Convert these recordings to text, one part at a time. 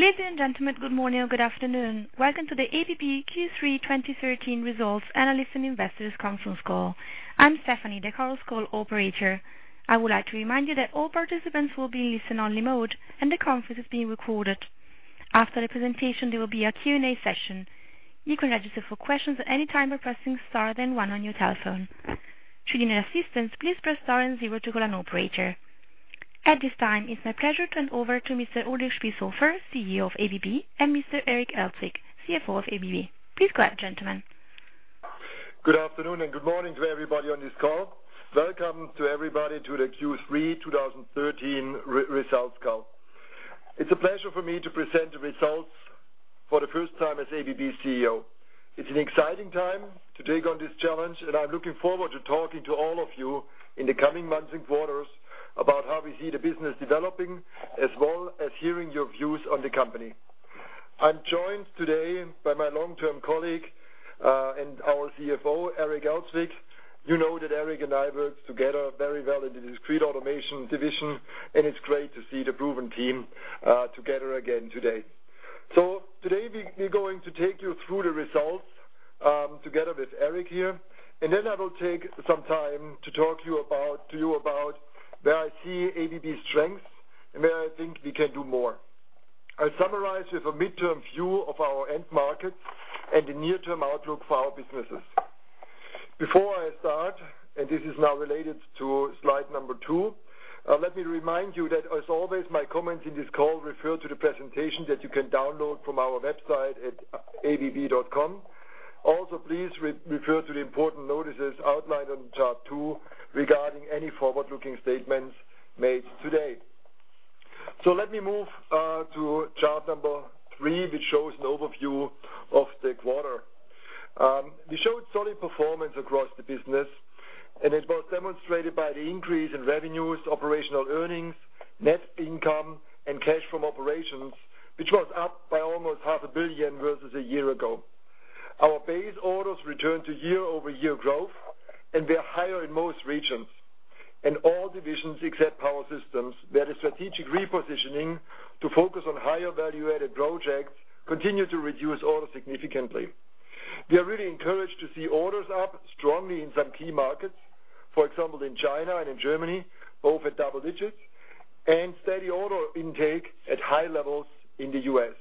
Ladies and gentlemen, good morning or good afternoon. Welcome to the ABB Q3 2013 results analyst and investors conference call. I'm Stephanie, the conference call operator. I would like to remind you that all participants will be in listen-only mode, and the conference is being recorded. After the presentation, there will be a Q&A session. You can register for questions at any time by pressing star then one on your telephone. Should you need assistance, please press star and zero to call an operator. At this time, it's my pleasure to hand over to Mr. Ulrich Spiesshofer, CEO of ABB, and Mr. Eric Elzvik, CFO of ABB. Please go ahead, gentlemen. Good afternoon and good morning to everybody on this call. Welcome to everybody to the Q3 2013 results call. It's a pleasure for me to present the results for the first time as ABB CEO. It's an exciting time to take on this challenge. I'm looking forward to talking to all of you in the coming months and quarters about how we see the business developing, as well as hearing your views on the company. I'm joined today by my long-term colleague, and our CFO, Eric Elzvik. You know that Eric and I worked together very well in the Discrete Automation division. It's great to see the proven team together again today. Today we're going to take you through the results, together with Eric here. Then I will take some time to talk to you about where I see ABB's strengths and where I think we can do more. I'll summarize with a midterm view of our end markets and the near-term outlook for our businesses. Before I start, this is now related to slide number two, let me remind you that as always, my comments in this call refer to the presentation that you can download from our website at abb.com. Also, please refer to the important notices outlined on chart two regarding any forward-looking statements made today. Let me move to chart number three, which shows an overview of the quarter. We showed solid performance across the business. It was demonstrated by the increase in revenues, operational earnings, net income and cash from operations, which was up by almost half a billion versus a year ago. Our base orders returned to year-over-year growth. We are higher in most regions. In all divisions except Power Systems, where the strategic repositioning to focus on higher value-added projects continued to reduce orders significantly. We are really encouraged to see orders up strongly in some key markets. For example, in China and in Germany, both at double digits, and steady order intake at high levels in the U.S.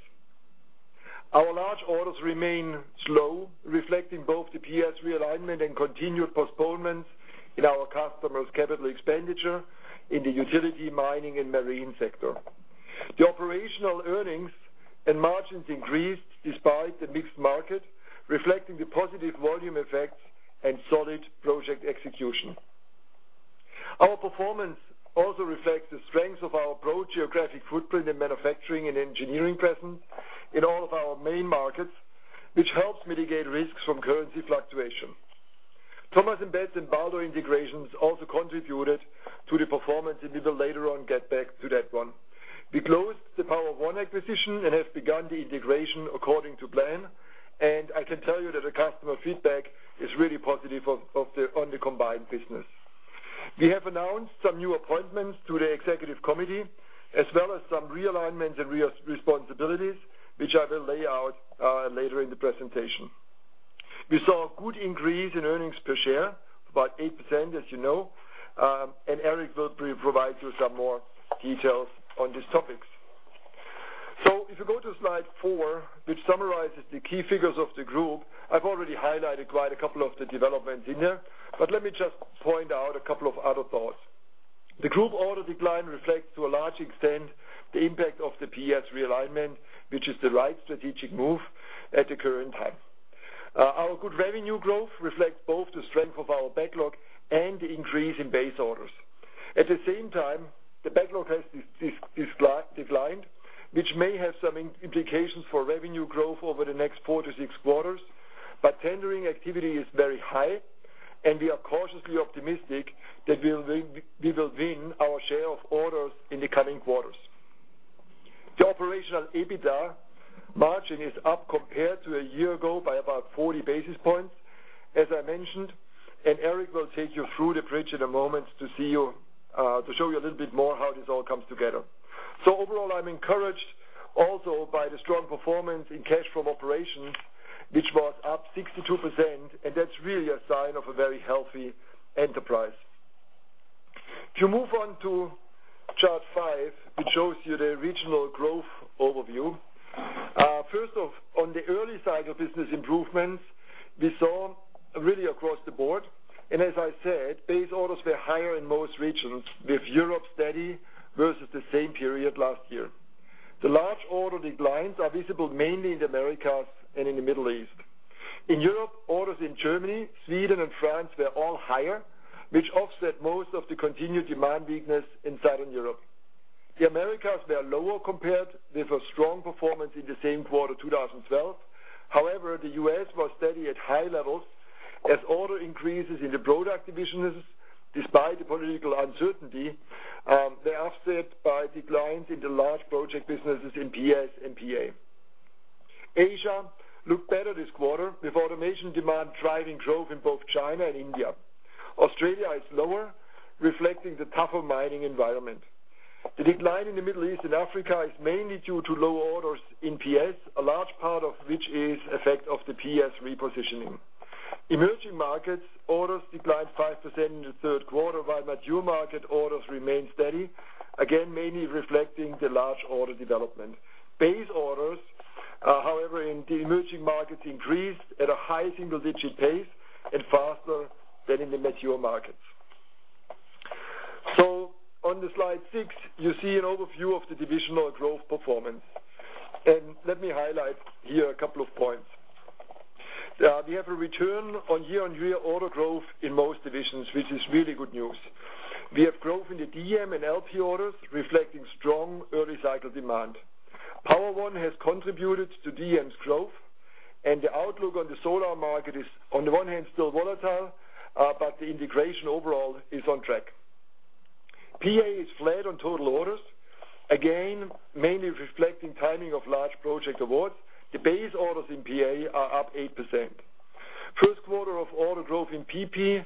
Our large orders remain slow, reflecting both the PS realignment and continued postponements in our customers' capital expenditure in the utility, mining and marine sector. The operational earnings and margins increased despite the mixed market, reflecting the positive volume effect and solid project execution. Our performance also reflects the strength of our broad geographic footprint in manufacturing and engineering presence in all of our main markets, which helps mitigate risks from currency fluctuation. Thomas & Betts and Baldor integrations also contributed to the performance. We will later on get back to that one. We closed the Power-One acquisition and have begun the integration according to plan. I can tell you that the customer feedback is really positive on the combined business. We have announced some new appointments to the executive committee, as well as some realignments and responsibilities, which I will lay out later in the presentation. We saw a good increase in earnings per share, about 8%, as you know. Eric will provide you some more details on these topics. If you go to slide four, which summarizes the key figures of the group, I've already highlighted quite a couple of the developments in there. Let me just point out a couple of other thoughts. The group order decline reflects to a large extent the impact of the PS realignment, which is the right strategic move at the current time. Our good revenue growth reflects both the strength of our backlog and the increase in base orders. At the same time, the backlog has declined, which may have some implications for revenue growth over the next four to six quarters. Tendering activity is very high. We are cautiously optimistic that we will win our share of orders in the coming quarters. The operational EBITDA margin is up compared to a year ago by about 40 basis points, as I mentioned. Eric will take you through the bridge in a moment to show you a little bit more how this all comes together. Overall, I'm encouraged also by the strong performance in cash from operations, which was up 62%. That's really a sign of a very healthy enterprise. If you move on to chart five, which shows you the regional growth overview. First off, on the early side of business improvements, we saw really across the board. As I said, base orders were higher in most regions, with Europe steady versus the same period last year. The large order declines are visible mainly in the Americas and in the Middle East. In Europe, orders in Germany, Sweden, and France were all higher, which offset most of the continued demand weakness in Southern Europe. The Americas were lower compared with a strong performance in the same quarter 2012. However, the U.S. was steady at high levels as order increases in the product divisions, despite the political uncertainty, were offset by declines in the large project businesses in PS and PA. Asia looked better this quarter with automation demand driving growth in both China and India. Australia is lower, reflecting the tougher mining environment. The decline in the Middle East and Africa is mainly due to low orders in PS, a large part of which is effect of the PS repositioning. Emerging markets orders declined 5% in the third quarter, while mature market orders remained steady, again, mainly reflecting the large order development. Base orders, however, in the emerging markets increased at a high single-digit pace and faster than in the mature markets. On the slide six, you see an overview of the divisional growth performance. Let me highlight here a couple of points. We have a return on year-on-year order growth in most divisions, which is really good news. We have growth in the DM and LP orders reflecting strong early cycle demand. Power-One has contributed to DM's growth, and the outlook on the solar market is, on the one hand, still volatile, but the integration overall is on track. PA is flat on total orders, again, mainly reflecting timing of large project awards. The base orders in PA are up 8%. First quarter of order growth in PP,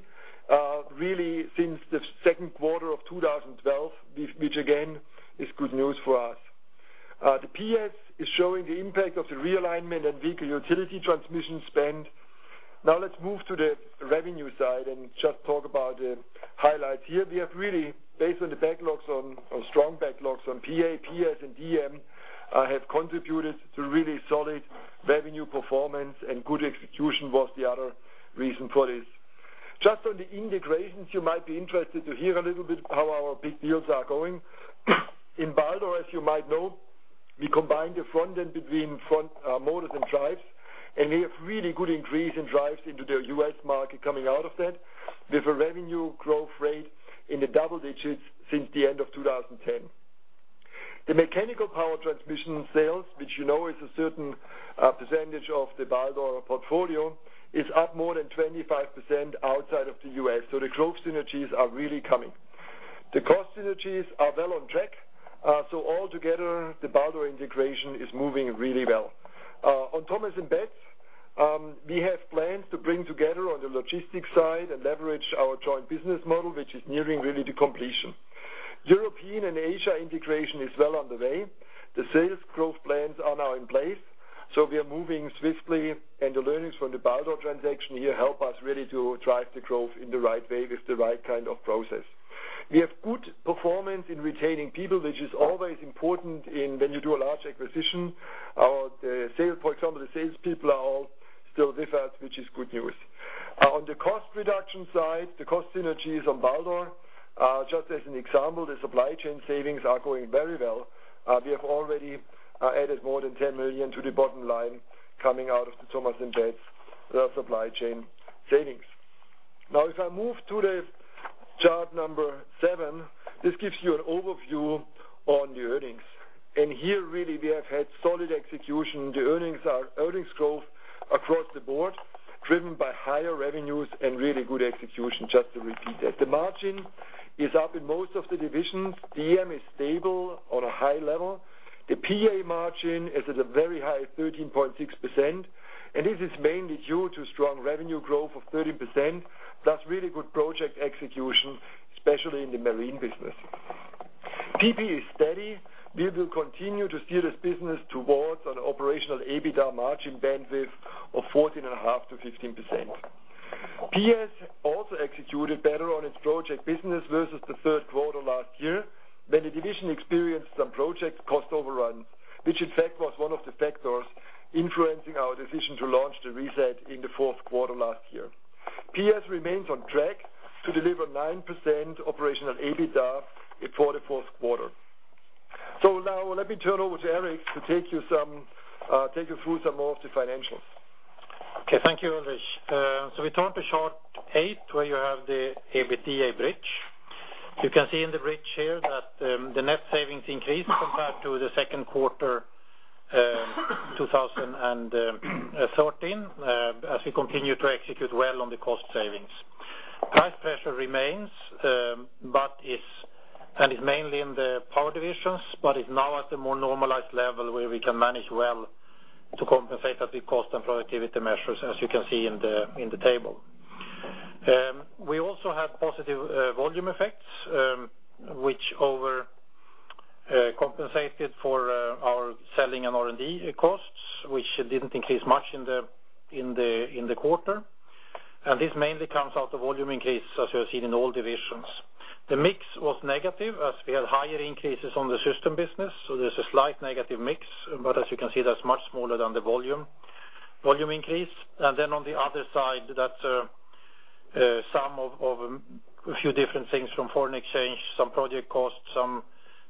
really since the second quarter of 2012, which again is good news for us. The PS is showing the impact of the realignment and weaker utility transmission spend. Let's move to the revenue side and just talk about the highlights here. We have really based on the strong backlogs on PA, PS, and DM, have contributed to really solid revenue performance and good execution was the other reason for this. Just on the integrations, you might be interested to hear a little bit how our big deals are going. In Baldor, as you might know, we combined the front end between front motors and drives, and we have really good increase in drives into the U.S. market coming out of that with a revenue growth rate in the double-digits since the end of 2010. The mechanical power transmission sales, which you know is a certain percentage of the Baldor portfolio, is up more than 25% outside of the U.S. The growth synergies are really coming. The cost synergies are well on track. Altogether, the Baldor integration is moving really well. On Thomas & Betts, we have plans to bring together on the logistics side and leverage our joint business model, which is nearing really the completion. European and Asian integration is well on the way. The sales growth plans are now in place, we are moving swiftly, and the learnings from the Baldor transaction here help us really to drive the growth in the right way with the right kind of process. We have good performance in retaining people, which is always important when you do a large acquisition. For example, the salespeople are all still with us, which is good news. On the cost reduction side, the cost synergies on Baldor, just as an example, the supply chain savings are going very well. We have already added more than $10 million to the bottom line coming out of the Thomas & Betts supply chain savings. If I move to the chart number seven, this gives you an overview on the earnings. Here, really, we have had solid execution. The earnings growth across the board, driven by higher revenues and really good execution, just to repeat that. The margin is up in most of the divisions. DM is stable on a high level. The PA margin is at a very high 13.6%, and this is mainly due to strong revenue growth of 30%, plus really good project execution, especially in the marine business. PP is steady. We will continue to steer this business towards an operational EBITDA margin bandwidth of 14.5%-15%. PS also executed better on its project business versus the third quarter last year, when the division experienced some project cost overruns, which in fact was one of the factors influencing our decision to launch the reset in the fourth quarter last year. PS remains on track to deliver 9% operational EBITDA for the fourth quarter. Let me turn over to Eric to take you through some more of the financials. Okay. Thank you, Ulrich. We turn to chart eight, where you have the EBITDA bridge. You can see in the bridge here that the net savings increased compared to the second quarter 2013, as we continue to execute well on the cost savings. Price pressure remains, and is mainly in the power divisions, but is now at a more normalized level where we can manage well to compensate that with cost and productivity measures, as you can see in the table. We also have positive volume effects, which overcompensated for our selling and R&D costs, which didn't increase much in the quarter. This mainly comes out of volume increase, as you have seen in all divisions. The mix was negative as we had higher increases on the system business, so there's a slight negative mix. As you can see, that's much smaller than the volume increase. On the other side, that's a sum of a few different things from foreign exchange, some project costs, some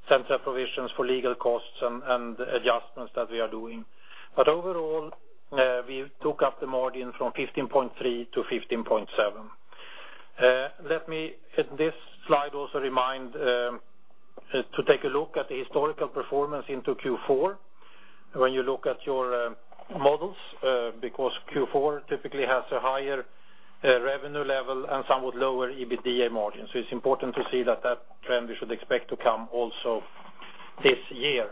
central provisions for legal costs and adjustments that we are doing. Overall, we took up the margin from 15.3% to 15.7%. Let me, in this slide, also remind to take a look at the historical performance into Q4, when you look at your models, because Q4 typically has a higher revenue level and somewhat lower EBITDA margin. It's important to see that trend we should expect to come also this year.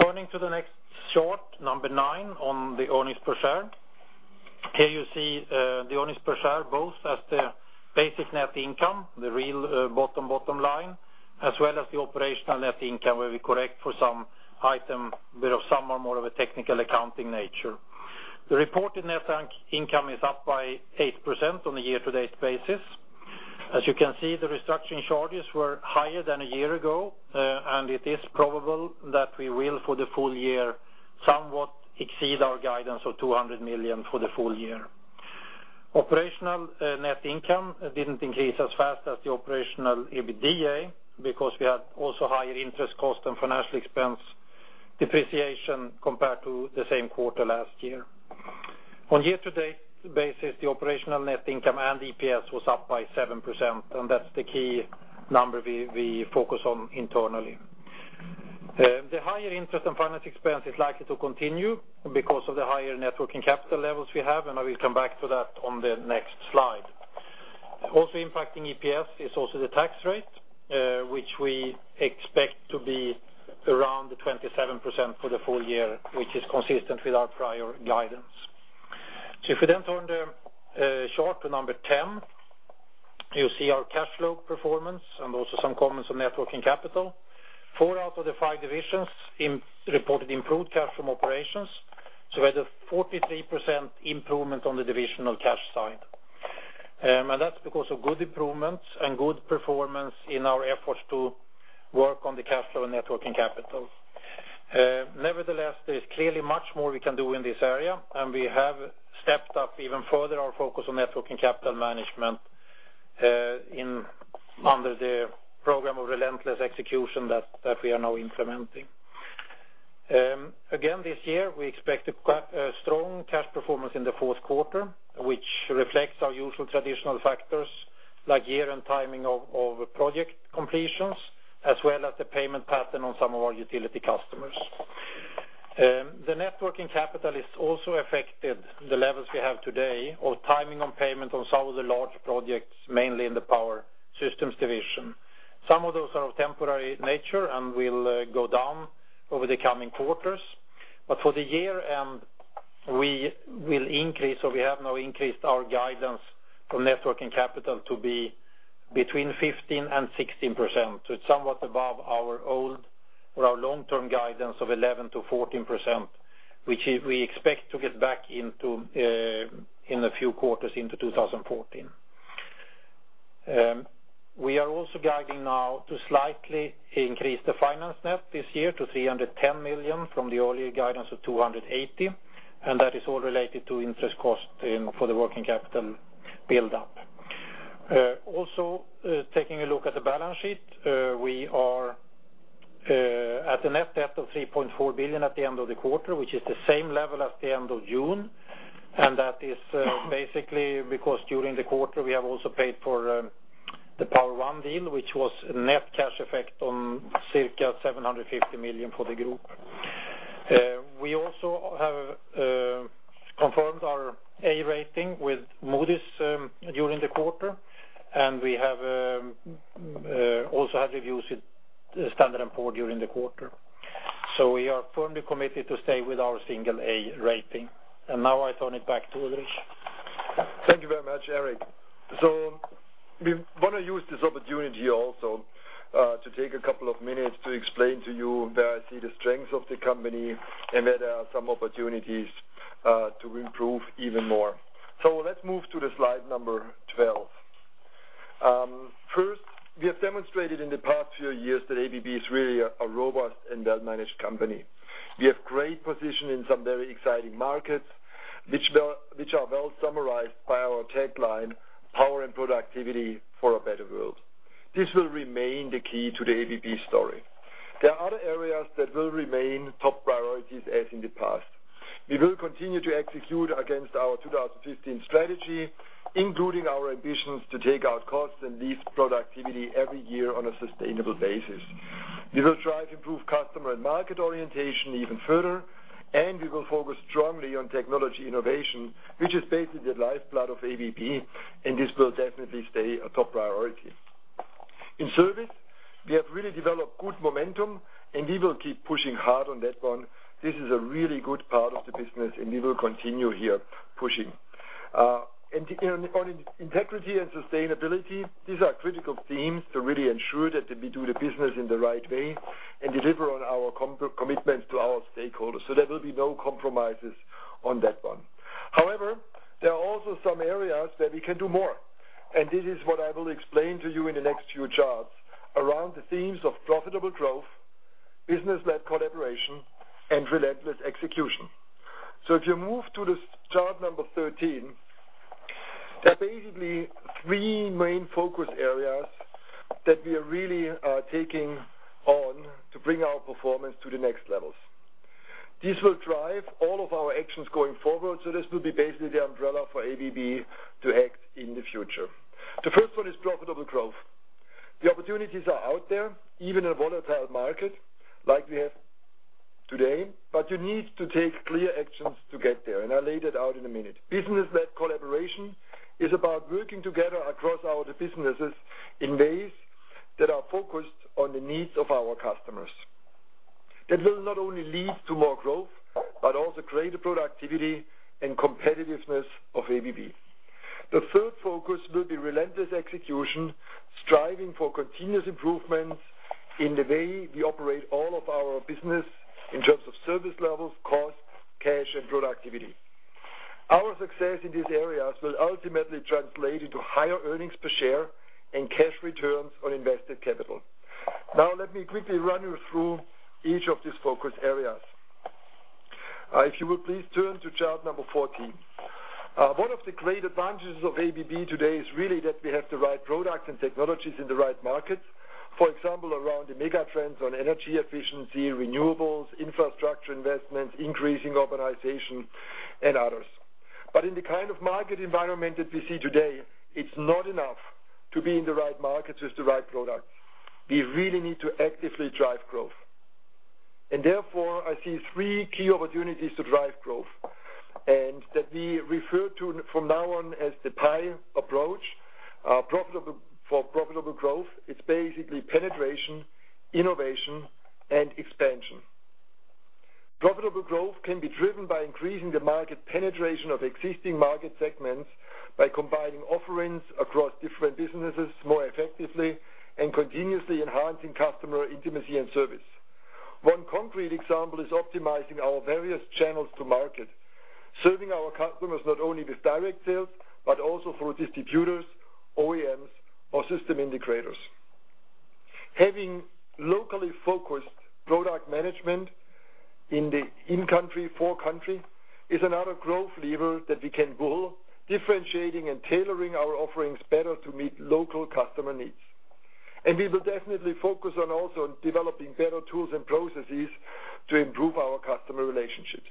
Turning to the next chart, number nine, on the earnings per share. Here you see the earnings per share both as the basic net income, the real bottom line, as well as the operational net income, where we correct for some item, bit of some are more of a technical accounting nature. The reported net income is up by 8% on a year-to-date basis. As you can see, the restructuring charges were higher than a year ago, and it is probable that we will, for the full year, somewhat exceed our guidance of $200 million for the full year. Operational net income didn't increase as fast as the operational EBITDA because we had also higher interest cost and financial expense depreciation compared to the same quarter last year. On year-to-date basis, the operational net income and EPS was up by 7%, that's the key number we focus on internally. The higher interest and finance expense is likely to continue because of the higher networking capital levels we have, I will come back to that on the next slide. Impacting EPS is also the tax rate, which we expect to be around 27% for the full year, which is consistent with our prior guidance. If we then turn the chart to number 10, you see our cash flow performance and also some comments on networking capital. Four out of the five divisions reported improved cash from operations, we had a 43% improvement on the divisional cash side. That's because of good improvements and good performance in our efforts to work on the cash flow and networking capital. Nevertheless, there is clearly much more we can do in this area, and we have stepped up even further our focus on networking capital management under the program of relentless execution that we are now implementing. Again this year, we expect a strong cash performance in the fourth quarter, which reflects our usual traditional factors like year and timing of project completions, as well as the payment pattern on some of our utility customers. The networking capital is also affected, the levels we have today, of timing on payment on some of the large projects, mainly in the Power Systems division. Some of those are of temporary nature and will go down over the coming quarters. For the year end, we will increase, or we have now increased our guidance for networking capital to be between 15% and 16%. It's somewhat above our old or our long-term guidance of 11%-14%, which we expect to get back into in a few quarters into 2014. We are also guiding now to slightly increase the finance net this year to $310 million from the earlier guidance of $280 million, that is all related to interest cost for the working capital buildup. Also, taking a look at the balance sheet, we are at a net debt of $3.4 billion at the end of the quarter, which is the same level as the end of June. That is basically because during the quarter, we have also paid for the Power-One deal, which was a net cash effect on circa $750 million for the group. We also have confirmed our A rating with Moody's during the quarter, and we have also had reviews with Standard & Poor's during the quarter. We are firmly committed to stay with our single A rating. Now I turn it back to Ulrich. Thank you very much, Eric. We want to use this opportunity also to take a couple of minutes to explain to you where I see the strengths of the company and where there are some opportunities to improve even more. Let's move to the slide number 12. First, we have demonstrated in the past few years that ABB is really a robust and well-managed company. We have great position in some very exciting markets, which are well summarized by our tagline, power and productivity for a better world. This will remain the key to the ABB story. There are other areas that will remain top priorities as in the past. We will continue to execute against our 2015 strategy, including our ambitions to take out costs and lead productivity every year on a sustainable basis. We will try to improve customer and market orientation even further. We will focus strongly on technology innovation, which is basically the lifeblood of ABB, and this will definitely stay a top priority. In service, we have really developed good momentum, and we will keep pushing hard on that one. This is a really good part of the business, and we will continue here pushing. On integrity and sustainability, these are critical themes to really ensure that we do the business in the right way and deliver on our commitments to our stakeholders. There will be no compromises on that one. However, there are also some areas where we can do more, and this is what I will explain to you in the next few charts around the themes of profitable growth, business-led collaboration, and relentless execution. If you move to the chart number 13, there are basically three main focus areas that we are really taking on to bring our performance to the next levels. These will drive all of our actions going forward. This will be basically the umbrella for ABB to act in the future. The first one is profitable growth. The opportunities are out there, even in a volatile market like we have today, but you need to take clear actions to get there, and I'll lay that out in a minute. Business-led collaboration is about working together across all the businesses in ways that are focused on the needs of our customers. That will not only lead to more growth, but also greater productivity and competitiveness of ABB. The third focus will be relentless execution, striving for continuous improvement in the way we operate all of our business in terms of service levels, cost, cash, and productivity. Our success in these areas will ultimately translate into higher earnings per share and cash returns on invested capital. Let me quickly run you through each of these focus areas. If you will please turn to chart number 14. One of the great advantages of ABB today is really that we have the right products and technologies in the right markets. For example, around the mega trends on energy efficiency, renewables, infrastructure investments, increasing organization, and others. In the kind of market environment that we see today, it's not enough to be in the right markets with the right product. We really need to actively drive growth. Therefore, I see three key opportunities to drive growth and that we refer to from now on as the pie approach, for profitable growth. It's basically penetration, innovation, and expansion. Profitable growth can be driven by increasing the market penetration of existing market segments by combining offerings across different businesses more effectively and continuously enhancing customer intimacy and service. One concrete example is optimizing our various channels to market, serving our customers not only with direct sales, but also through distributors, OEMs, or system integrators. Having locally focused product management in country, for country, is another growth lever that we can pull, differentiating and tailoring our offerings better to meet local customer needs. We will definitely focus on also on developing better tools and processes to improve our customer relationships.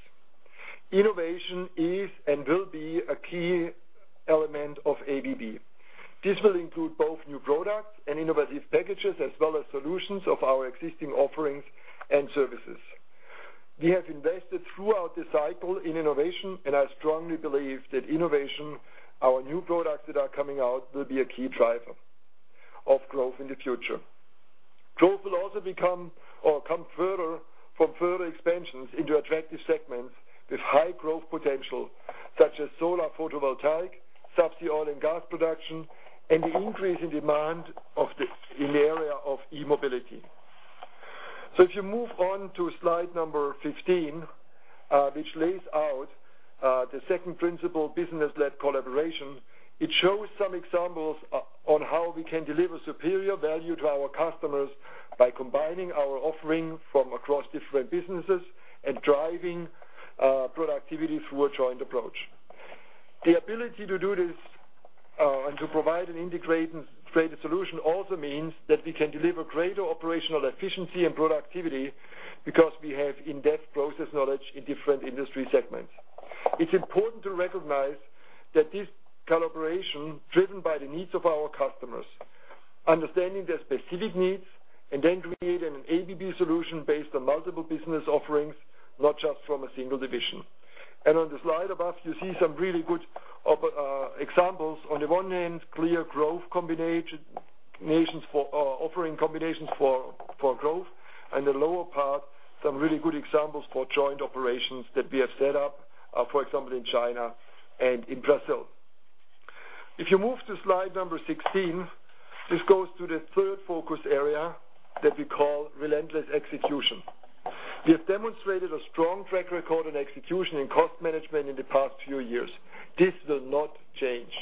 Innovation is and will be a key element of ABB. This will include both new products and innovative packages, as well as solutions of our existing offerings and services. We have invested throughout this cycle in innovation, and I strongly believe that innovation, our new products that are coming out, will be a key driver of growth in the future. Growth will also come from further expansions into attractive segments with high growth potential, such as solar photovoltaic, subsea oil and gas production, and the increase in demand in the area of e-mobility. If you move on to slide number 15, which lays out the second principle, Business-Led Collaboration, it shows some examples on how we can deliver superior value to our customers by combining our offering from across different businesses and driving productivity through a joint approach. The ability to do this and to provide an integrated solution also means that we can deliver greater operational efficiency and productivity because we have in-depth process knowledge in different industry segments. It's important to recognize that this collaboration driven by the needs of our customers, understanding their specific needs, and then creating an ABB solution based on multiple business offerings, not just from a single division. On the slide above, you see some really good examples. On the one hand, clear growth offering combinations for growth. On the lower part, some really good examples for joint operations that we have set up, for example, in China and in Brazil. If you move to slide number 16, this goes to the third focus area that we call Relentless Execution. We have demonstrated a strong track record on execution and cost management in the past few years. This will not change.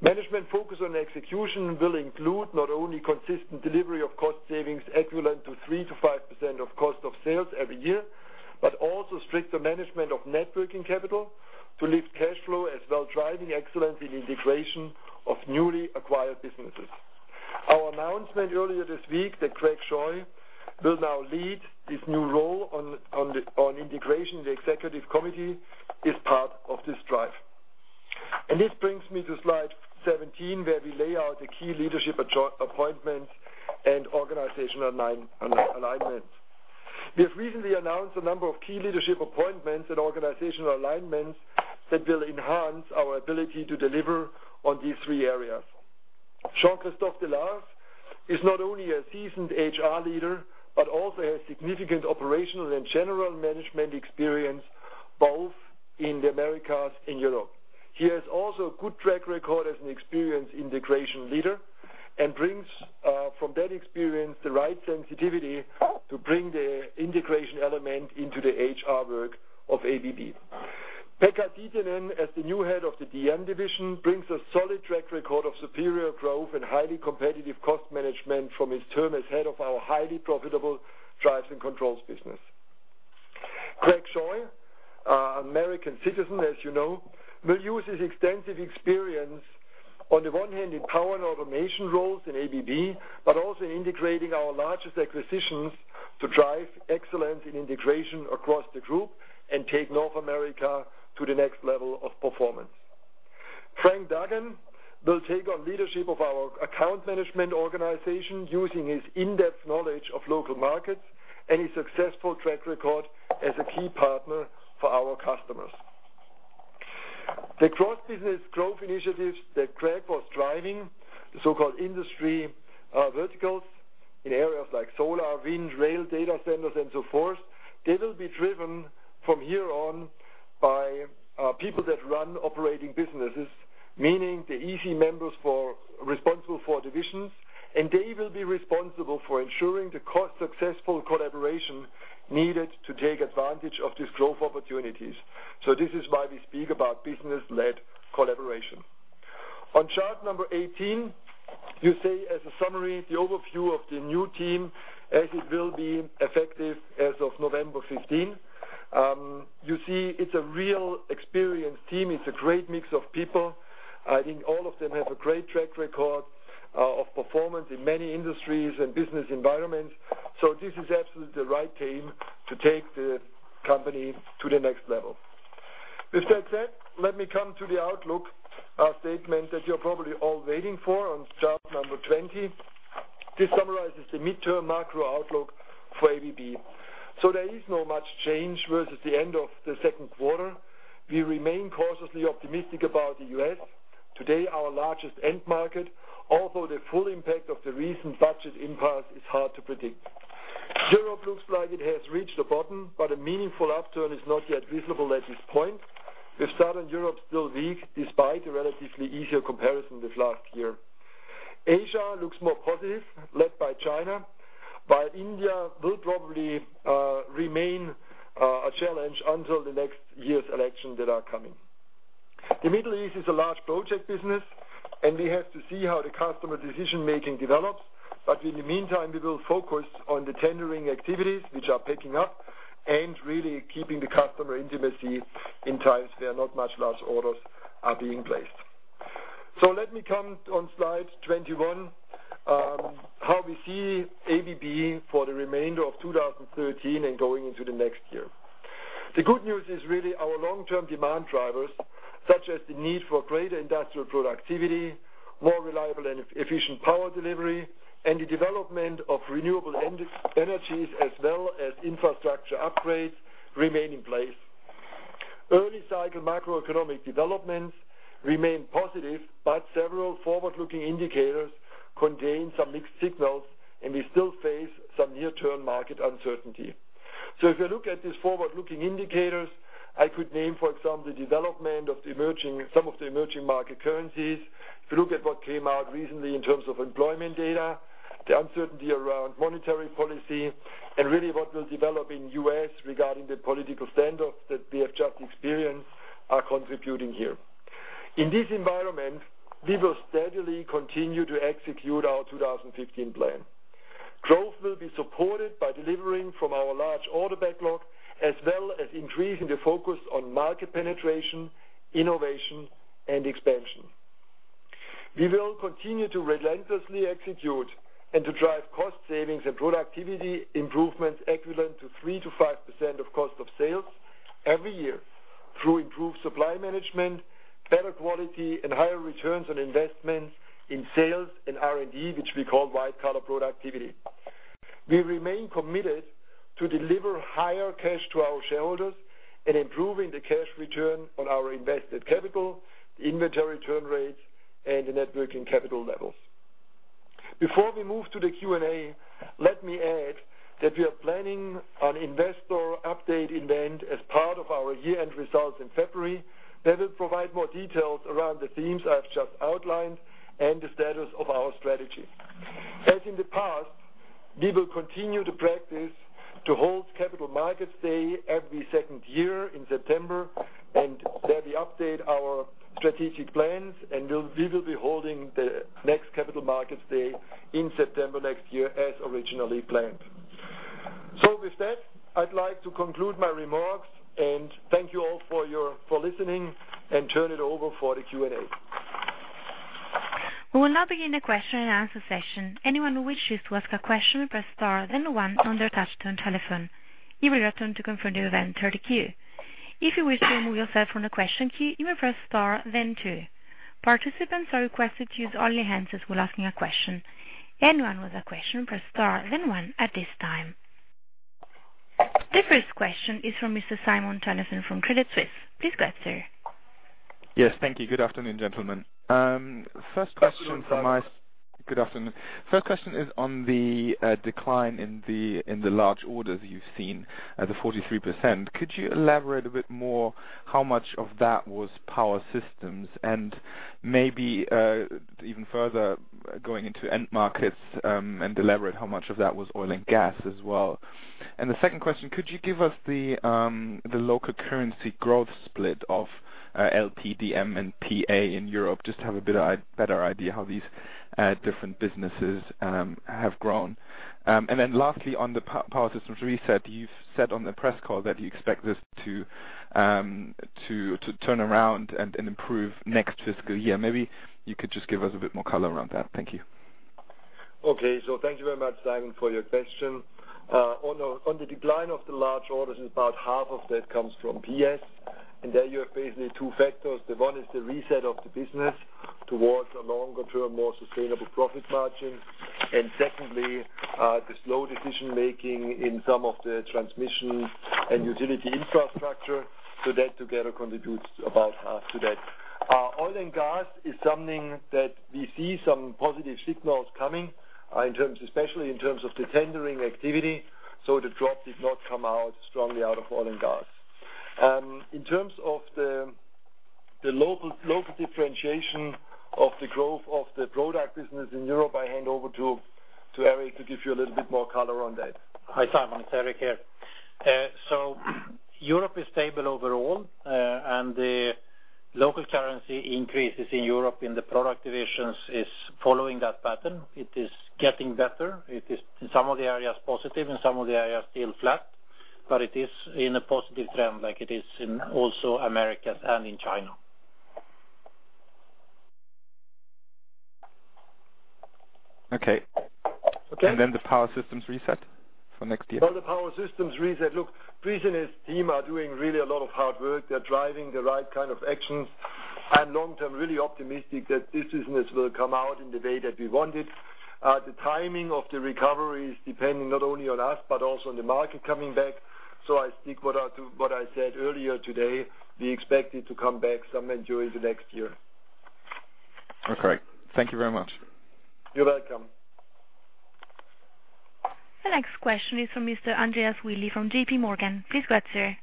Management focus on execution will include not only consistent delivery of cost savings equivalent to 3% to 5% of cost of sales every year, but also stricter management of networking capital to lift cash flow, as well driving excellence in integration of newly acquired businesses. Our announcement earlier this week that Greg Scheu will now lead this new role on integration in the Executive Committee is part of this drive. This brings me to slide 17, where we lay out the key leadership appointment and organizational alignment. We have recently announced a number of key leadership appointments and organizational alignments that will enhance our ability to deliver on these three areas. Jean-Christophe Deslarzes is not only a seasoned HR leader, but also has significant operational and general management experience, both in the Americas and Europe. He has also a good track record as an experienced integration leader and brings from that experience the right sensitivity to bring the integration element into the HR work of ABB. Pekka Tiitinen, as the new head of the DM division, brings a solid track record of superior growth and highly competitive cost management from his term as head of our highly profitable drives and controls business. Greg Scheu, American citizen, as you know, will use his extensive experience on the one hand in power and automation roles in ABB, but also in integrating our largest acquisitions to drive excellence in integration across the group and take North America to the next level of performance. Frank Duggan will take on leadership of our account management organization using his in-depth knowledge of local markets and his successful track record as a key partner for our customers. The cross-business growth initiatives that Greg was driving, the so-called industry verticals in areas like solar, wind, rail, data centers, and so forth, they will be driven from here on by people that run operating businesses. Meaning the EC members responsible for divisions, and they will be responsible for ensuring the cost successful collaboration needed to take advantage of these growth opportunities. This is why we speak about business-led collaboration. On chart number 18, you see as a summary, the overview of the new team as it will be effective as of November 15. You see it's a real experienced team. It's a great mix of people. I think all of them have a great track record of performance in many industries and business environments. This is absolutely the right team to take the company to the next level. Let me come to the outlook statement that you're probably all waiting for on chart number 20. This summarizes the midterm macro outlook for ABB. We remain cautiously optimistic about the U.S., today our largest end market, although the full impact of the recent budget impasse is hard to predict. Europe looks like it has reached a bottom, a meaningful upturn is not yet visible at this point, with Southern Europe still weak despite a relatively easier comparison with last year. Asia looks more positive, led by China, while India will probably remain a challenge until the next year's election that are coming. The Middle East is a large project business, we have to see how the customer decision-making develops. In the meantime, we will focus on the tendering activities, which are picking up, and really keeping the customer intimacy in times where not much large orders are being placed. Let me come on slide 21, how we see ABB for the remainder of 2013 and going into the next year. The good news is really our long-term demand drivers, such as the need for greater industrial productivity, more reliable and efficient power delivery, and the development of renewable energies as well as infrastructure upgrades remain in place. Early cycle macroeconomic developments remain positive, several forward-looking indicators contain some mixed signals, and we still face some near-term market uncertainty. If you look at these forward-looking indicators, I could name, for example, the development of some of the emerging market currencies. If you look at what came out recently in terms of employment data, the uncertainty around monetary policy, and really what will develop in U.S. regarding the political standoff that we have just experienced are contributing here. In this environment, we will steadily continue to execute our 2015 plan. Growth will be supported by delivering from our large order backlog, as well as increasing the focus on market penetration, innovation, and expansion. We will continue to relentlessly execute and to drive cost savings and productivity improvements equivalent to 3%-5% of cost of sales every year through improved supply management, better quality, and higher returns on investment in sales and R&D, which we call white-collar productivity. We remain committed to deliver higher cash to our shareholders and improving the cash return on our invested capital, the inventory turn rates, and the networking capital levels. Before we move to the Q&A, let me add that we are planning an investor update event as part of our year-end results in February that will provide more details around the themes I've just outlined and the status of our strategy. As in the past, we will continue to practice to hold Capital Markets Day every second year in September, and there we update our strategic plans, and we will be holding the next Capital Markets Day in September next year as originally planned. With that, I'd like to conclude my remarks and thank you all for listening and turn it over for the Q&A. We will now begin the question and answer session. Anyone who wishes to ask a question, press star then one on their touch-tone telephone. You will be prompted to confirm you are in the queue. If you wish to remove yourself from the question queue, you may press star then two. Participants are requested to use only hands while asking a question. Anyone with a question, press star then one at this time. The first question is from Mr. Simon Toennessen from Credit Suisse. Please go ahead, sir. Yes, thank you. Good afternoon, gentlemen. Good afternoon. Good afternoon. First question is on the decline in the large orders you've seen, the 43%. Could you elaborate a bit more how much of that was Power Systems and maybe even further going into end markets, and elaborate how much of that was oil and gas as well? The second question, could you give us the local currency growth split of LP, DM, and PA in Europe just to have a better idea how these different businesses have grown. Lastly, on the Power Systems reset, you've said on the press call that you expect this to turn around and improve next fiscal year. Maybe you could just give us a bit more color around that. Thank you. Okay. Thank you very much, Simon, for your question. On the decline of the large orders, about half of that comes from PS, and there you have basically two factors. One is the reset of the business towards a longer-term, more sustainable profit margin. Secondly, the slow decision-making in some of the transmission and utility infrastructure. That together contributes about half to that. Oil and gas is something that we see some positive signals coming, especially in terms of the tendering activity. The drop did not come out strongly out of oil and gas. In terms of the local differentiation of the growth of the product business in Europe, I hand over to Eric to give you a little bit more color on that. Hi, Simon. It's Eric here. Europe is stable overall, the local currency increases in Europe in the product divisions is following that pattern. It is getting better. It is, in some of the areas, positive, in some of the areas, still flat, but it is in a positive trend like it is in also Americas and in China. Okay. Okay. The Power Systems reset for next year? On the Power Systems reset, look, Chris and his team are doing really a lot of hard work. They're driving the right kind of actions. I'm long-term really optimistic that this business will come out in the way that we want it. The timing of the recovery is depending not only on us but also on the market coming back. I stick to what I said earlier today, we expect it to come back sometime during the next year. Okay. Thank you very much. You're welcome. The next question is from Mr. Andreas Willi from JPMorgan. Please go ahead, sir.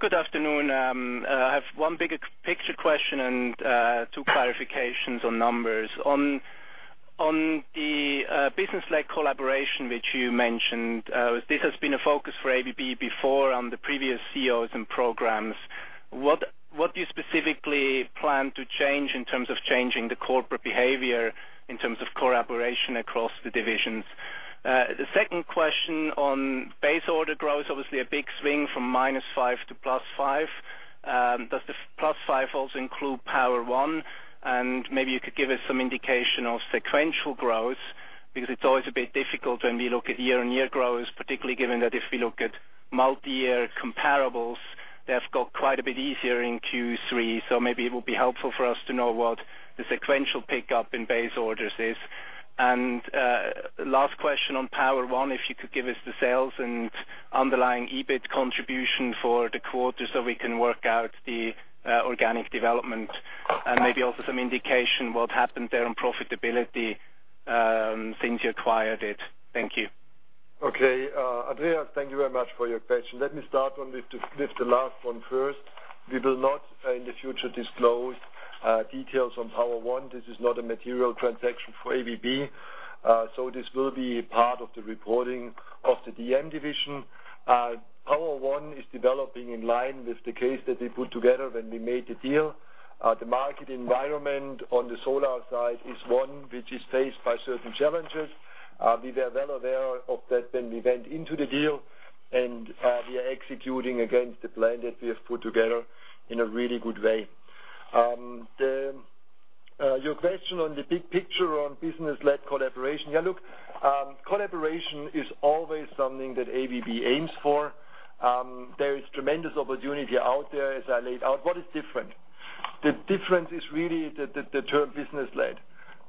Good afternoon. I have one big picture question and two clarifications on numbers. On the business-led collaboration which you mentioned, this has been a focus for ABB before on the previous CEOs and programs. What do you specifically plan to change in terms of changing the corporate behavior in terms of collaboration across the divisions? The second question on base order growth, obviously a big swing from -5% to +5%. Does the +5% also include Power-One? Maybe you could give us some indication of sequential growth, because it's always a bit difficult when we look at year-on-year growth, particularly given that if we look at multi-year comparables, they have got quite a bit easier in Q3. Maybe it will be helpful for us to know what the sequential pickup in base orders is. Last question on Power-One, if you could give us the sales and underlying EBIT contribution for the quarter so we can work out the organic development. Maybe also some indication what happened there on profitability since you acquired it. Thank you. Andreas, thank you very much for your question. Let me start with the last one first. We will not in the future disclose details on Power-One. This is not a material transaction for ABB. This will be part of the reporting of the DM division. Power-One is developing in line with the case that we put together when we made the deal. The market environment on the solar side is one which is faced by certain challenges. We were well aware of that when we went into the deal, and we are executing against the plan that we have put together in a really good way. Your question on the big picture on business-led collaboration. Look, collaboration is always something that ABB aims for. There is tremendous opportunity out there as I laid out. What is different? The difference is really the term business-led.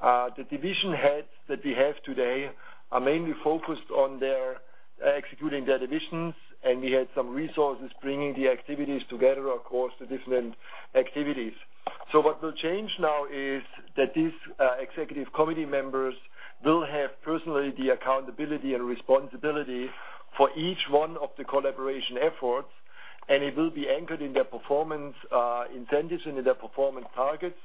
The division heads that we have today are mainly focused on their executing their divisions, and we had some resources bringing the activities together across the different activities. What will change now is that these executive committee members will have personally the accountability and responsibility for each one of the collaboration efforts, and it will be anchored in their performance incentives and in their performance targets.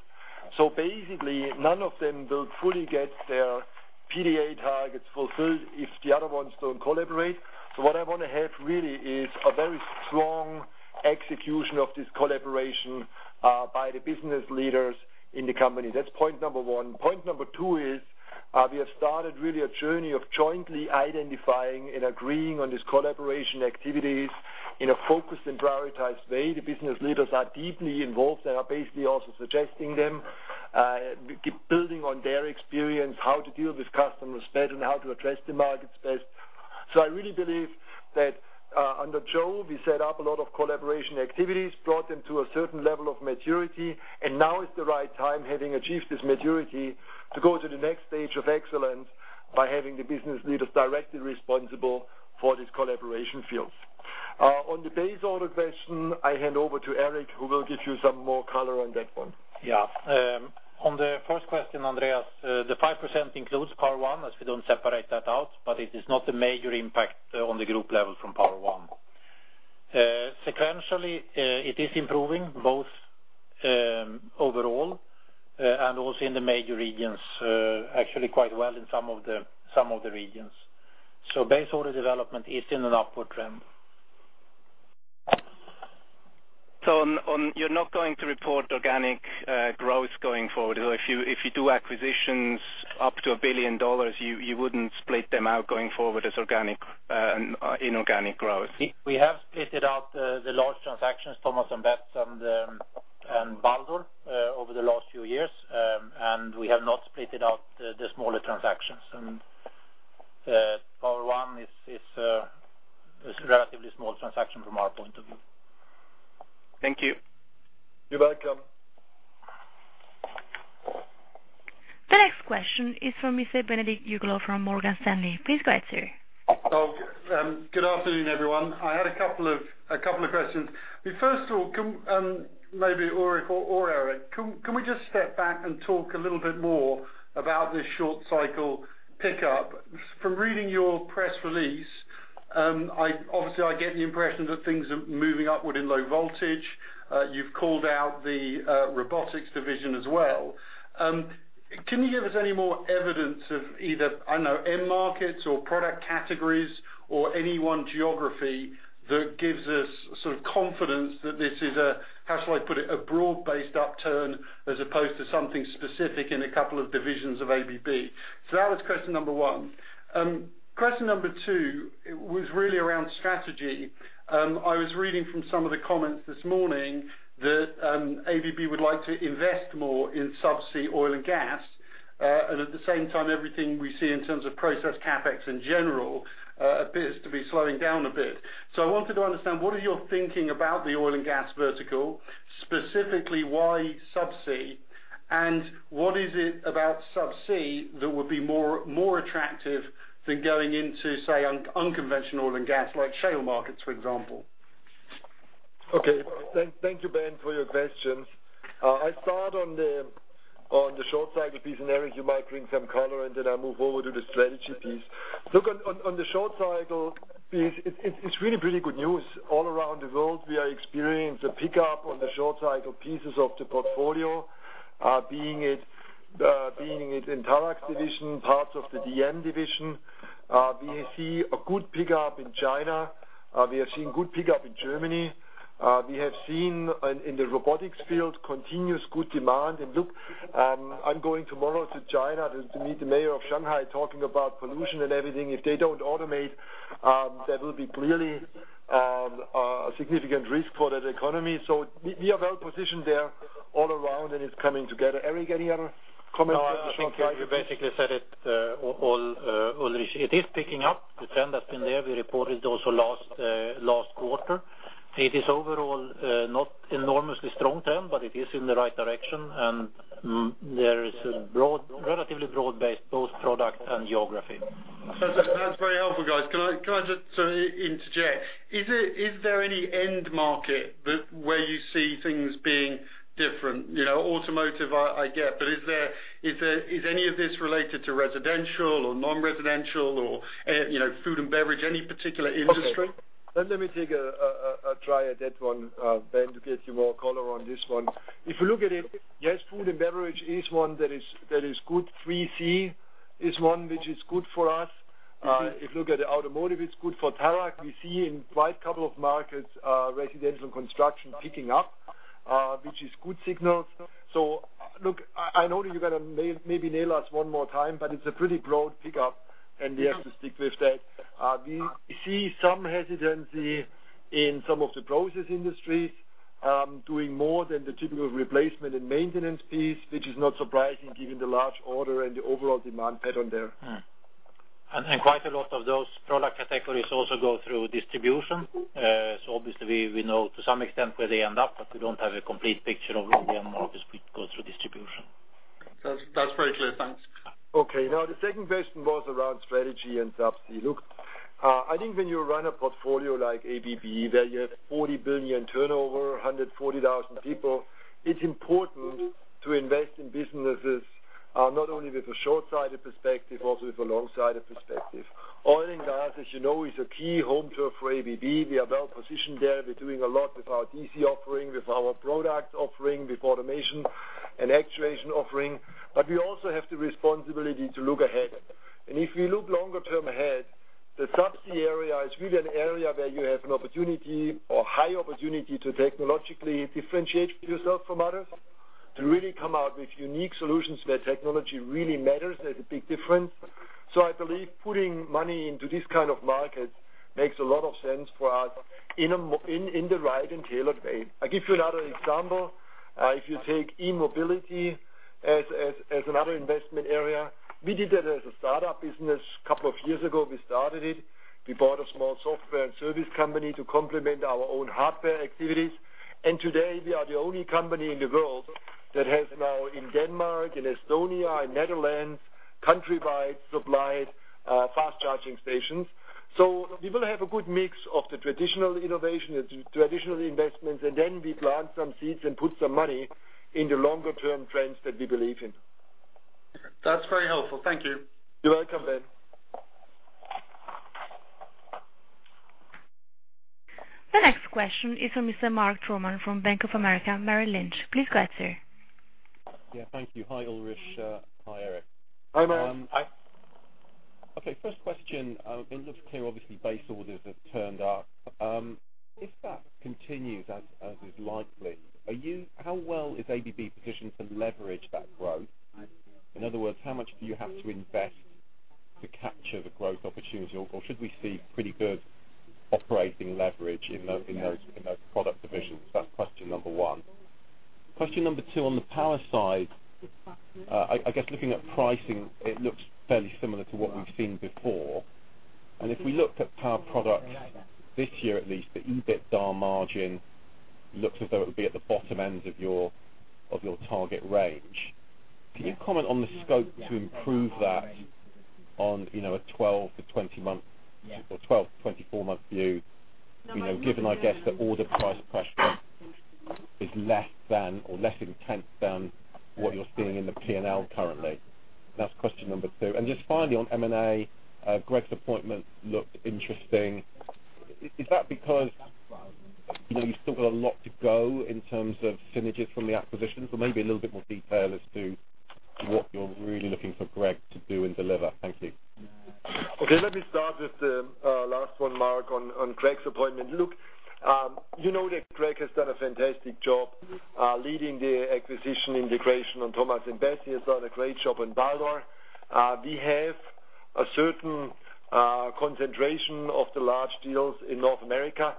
Basically, none of them will fully get their PDA targets fulfilled if the other ones don't collaborate. What I want to have really is a very strong execution of this collaboration by the business leaders in the company. That's point number one. Point number two is we have started really a journey of jointly identifying and agreeing on these collaboration activities in a focused and prioritized way. The business leaders are deeply involved and are basically also suggesting them. We keep building on their experience, how to deal with customers better, and how to address the markets best. I really believe that under Joe, we set up a lot of collaboration activities, brought them to a certain level of maturity, and now is the right time, having achieved this maturity, to go to the next stage of excellence by having the business leaders directly responsible for these collaboration fields. On the base order question, I hand over to Eric, who will give you some more color on that one. Yeah. On the first question, Andreas, the 5% includes Power-One, as we don't separate that out, but it is not a major impact on the group level from Power-One. Sequentially, it is improving both overall and also in the major regions, actually quite well in some of the regions. Base order development is in an upward trend. You're not going to report organic growth going forward. If you do acquisitions up to $1 billion, you wouldn't split them out going forward as organic and inorganic growth. We have splitted out the large transactions, Thomas & Betts and Baldor over the last few years, and we have not splitted out the smaller transactions. Power-One is a relatively small transaction from our point of view. Thank you. You're welcome. The next question is from Mr. Ben Uglow from Morgan Stanley. Please go ahead, sir. Good afternoon, everyone. I had a couple of questions. First of all, maybe Ulrich or Eric, can we just step back and talk a little bit more about this short cycle pickup? From reading your press release, obviously I get the impression that things are moving upward in low voltage. You've called out the Robotics division as well. Can you give us any more evidence of either, I don't know, end markets or product categories or any one geography that gives us confidence that this is a, how shall I put it, a broad-based upturn as opposed to something specific in a couple of divisions of ABB? That was question number one. Question number two was really around strategy. I was reading from some of the comments this morning that ABB would like to invest more in subsea oil and gas, and at the same time, everything we see in terms of process CapEx in general appears to be slowing down a bit. I wanted to understand, what is your thinking about the oil and gas vertical, specifically, why subsea? What is it about subsea that would be more attractive than going into, say, unconventional oil and gas, like shale markets, for example? Okay. Thank you, Ben, for your questions. I'll start on the short cycle piece, and Eric, you might bring some color, and then I'll move over to the strategy piece. Look, on the short cycle piece, it's really pretty good news. All around the world, we are experiencing a pickup on the short cycle pieces of the portfolio, being it in Traction division, parts of the DM division. We see a good pickup in China. We are seeing good pickup in Germany. We have seen in the robotics field continuous good demand. Look, I'm going tomorrow to China to meet the mayor of Shanghai, talking about pollution and everything. If they don't automate, that will be clearly a significant risk for that economy. We are well-positioned there all around and it's coming together. Eric, any other comments on the short cycle piece? I think you basically said it all, Ulrich. It is picking up. The trend has been there. We reported also last quarter. It is overall not enormously strong trend, but it is in the right direction, and there is a relatively broad base, both product and geography. That's very helpful, guys. Can I just interject? Is there any end market where you see things being different? Automotive, I get, but is any of this related to residential or non-residential or food and beverage, any particular industry? Okay. Let me take a try at that one, Ben, to get you more color on this one. If you look at it, yes, food and beverage is one that is good. 3C is one which is good for us. If you look at automotive, it's good for Traction. We see in quite couple of markets, residential construction picking up, which is good signals. Look, I know that you're going to maybe nail us one more time, but it's a pretty broad pickup, and we have to stick with that. We see some hesitancy in some of the process industries doing more than the typical replacement and maintenance piece, which is not surprising given the large order and the overall demand pattern there. Quite a lot of those product categories also go through distribution. Obviously we know to some extent where they end up, but we don't have a complete picture of all the end markets which go through distribution. That's very clear. Thanks. Okay. Now, the second question was around strategy and subsea. Look, I think when you run a portfolio like ABB, where you have $40 billion turnover, 140,000 people, it's important to invest in businesses, not only with a short-sighted perspective, also with a long-sighted perspective. Oil and gas, as you know, is a key home turf for ABB. We are well-positioned there. We're doing a lot with our DC offering, with our product offering, with automation and actuation offering. We also have the responsibility to look ahead. If we look longer term ahead, the subsea area is really an area where you have an opportunity or high opportunity to technologically differentiate yourself from others, to really come out with unique solutions where technology really matters. There's a big difference. I believe putting money into this kind of market makes a lot of sense for us in the right and tailored way. I give you another example. If you take e-mobility as another investment area, we did that as a startup business a couple of years ago. We started it. We bought a small software and service company to complement our own hardware activities. Today, we are the only company in the world that has now in Denmark, in Estonia, in Netherlands, countrywide supplied fast charging stations. We will have a good mix of the traditional innovation and traditional investments, and then we plant some seeds and put some money in the longer-term trends that we believe in. That's very helpful. Thank you. You're welcome, Ben. The next question is for Mr. Mark Troman from Bank of America Merrill Lynch. Please go ahead, sir. Yeah, thank you. Hi, Ulrich. Hi, Eric. Hi, Mark. Hi. Okay, first question. It looks clear, obviously, base orders have turned up. If that continues as is likely, how well is ABB positioned to leverage that growth? In other words, how much do you have to invest to capture the growth opportunity? Or should we see pretty good operating leverage in those product divisions? That's question number one. Question number two on the power side. I guess looking at pricing, it looks fairly similar to what we've seen before. If we looked at power products this year, at least the EBITDA margin looks as though it would be at the bottom end of your target range. Can you comment on the scope to improve that on a 12-24-month view, given, I guess, that order price pressure is less than or less intense than what you're seeing in the P&L currently? That's question number two. Just finally, on M&A, Greg's appointment looked interesting. Is that because you've still got a lot to go in terms of synergies from the acquisitions, or maybe a little bit more detail as to what you're really looking for Greg to do and deliver? Thank you. Okay. Let me start with the last one, Mark, on Greg's appointment. Look, you know that Greg has done a fantastic job leading the acquisition integration on Thomas & Betts. He has done a great job in Baldor. We have a certain concentration of the large deals in North America.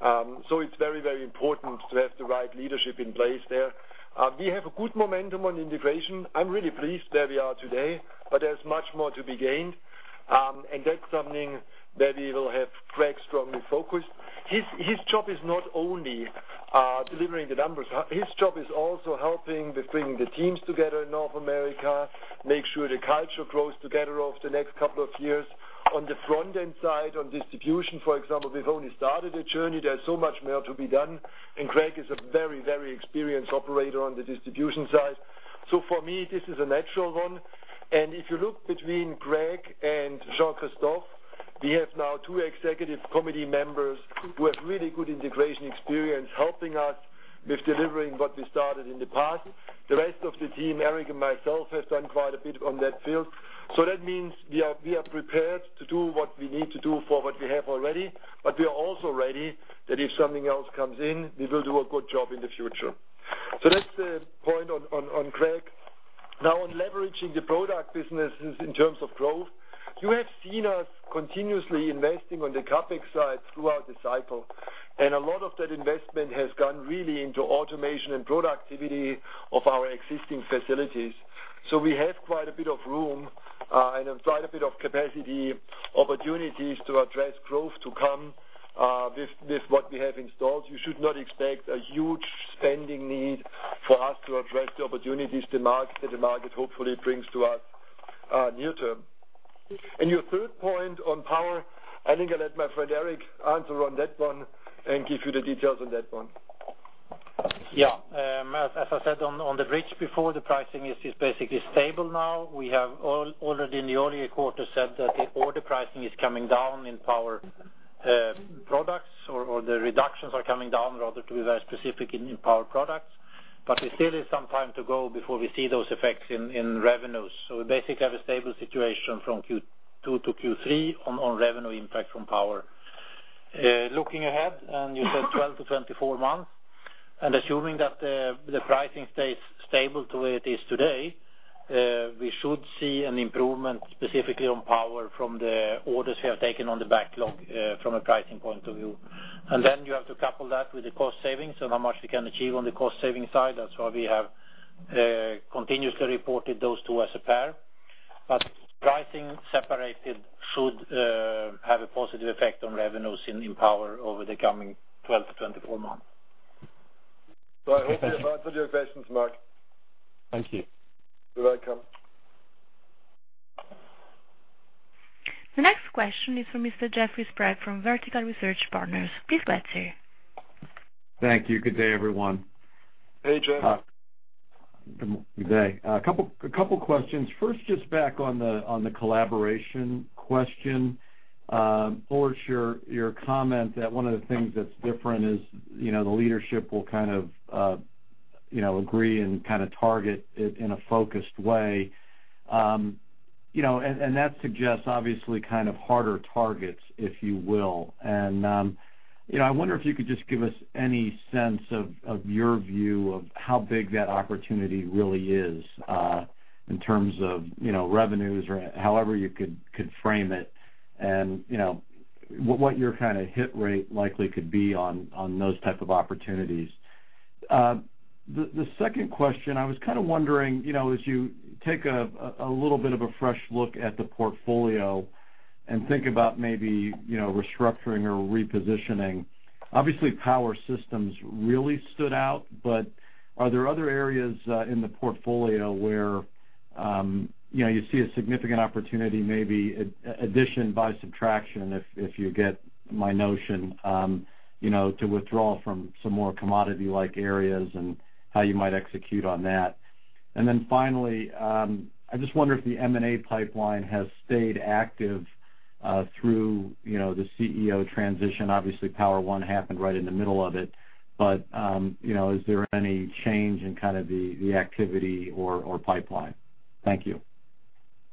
It's very important to have the right leadership in place there. We have a good momentum on integration. I'm really pleased where we are today, but there's much more to be gained. That's something that we will have Greg strongly focused. His job is not only delivering the numbers. His job is also helping with bringing the teams together in North America, make sure the culture grows together over the next couple of years. On the front-end side, on distribution, for example, we've only started a journey. There's so much more to be done. Greg is a very experienced operator on the distribution side. For me, this is a natural one. If you look between Greg and Jean Christophe, we have now two executive committee members who have really good integration experience helping us with delivering what we started in the past. The rest of the team, Eric and myself, have done quite a bit on that field. That means we are prepared to do what we need to do for what we have already, but we are also ready that if something else comes in, we will do a good job in the future. That's the point on Greg. Now, on leveraging the product businesses in terms of growth, you have seen us continuously investing on the CapEx side throughout the cycle. A lot of that investment has gone really into automation and productivity of our existing facilities. We have quite a bit of room and quite a bit of capacity opportunities to address growth to come with what we have installed. You should not expect a huge spending need for us to address the opportunities that the market hopefully brings to us near-term. Your third point on power, I think I'll let my friend Eric answer on that one and give you the details on that one. Yeah. As I said on the bridge before, the pricing is basically stable now. We have already in the earlier quarter said that the order pricing is coming down in power products, or the reductions are coming down, rather, to be very specific in power products. There still is some time to go before we see those effects in revenues. We basically have a stable situation from Q2 to Q3 on revenue impact from power. Looking ahead, you said 12-24 months, and assuming that the pricing stays stable to where it is today, we should see an improvement specifically on power from the orders we have taken on the backlog from a pricing point of view. You have to couple that with the cost savings and how much we can achieve on the cost-saving side. That's why we have continuously reported those two as a pair. Pricing separated should have a positive effect on revenues in power over the coming 12 to 24 months. Thank you. I hope we have answered your questions, Mark. Thank you. You're welcome. The next question is from Mr. Jeffrey Sprague from Vertical Research Partners. Please go ahead, sir. Thank you. Good day, everyone. Hey, Jeff. Good day. A couple questions. First, just back on the collaboration question, Ulrich, your comment that one of the things that's different is the leadership will agree and target it in a focused way. That suggests obviously harder targets, if you will. I wonder if you could just give us any sense of your view of how big that opportunity really is in terms of revenues or however you could frame it, and what your hit rate likely could be on those type of opportunities. The second question, I was wondering, as you take a little bit of a fresh look at the portfolio and think about maybe restructuring or repositioning. Obviously, Power Systems really stood out, but are there other areas in the portfolio where you see a significant opportunity, maybe addition by subtraction, if you get my notion, to withdraw from some more commodity-like areas and how you might execute on that? Finally, I just wonder if the M&A pipeline has stayed active through the CEO transition. Obviously, Power-One happened right in the middle of it, but is there any change in the activity or pipeline? Thank you.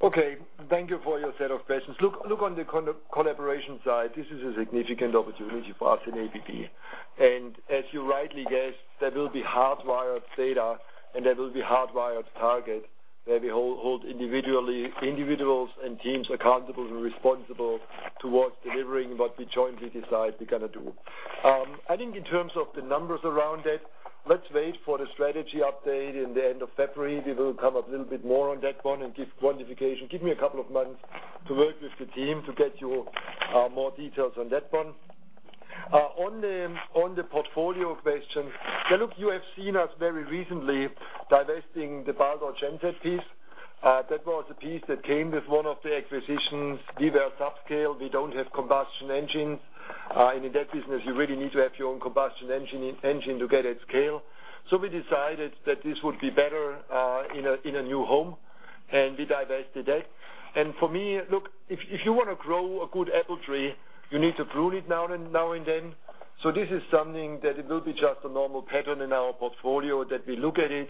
Okay. Thank you for your set of questions. Look on the collaboration side. This is a significant opportunity for us in ABB. As you rightly guessed, there will be hardwired data and that will be hardwired target, where we hold individuals and teams accountable and responsible towards delivering what we jointly decide we're going to do. I think in terms of the numbers around it, let's wait for the strategy update in the end of February. We will come up a little bit more on that one and give quantification. Give me a couple of months to work with the team to get you more details on that one. On the portfolio question. Look, you have seen us very recently divesting the Baldor generator piece. That was a piece that came with one of the acquisitions. We were subscale. We don't have combustion engine. In that business, you really need to have your own combustion engine to get at scale. We decided that this would be better in a new home, and we divested that. For me, look, if you want to grow a good apple tree, you need to prune it now and then. This is something that it will be just a normal pattern in our portfolio that we look at it,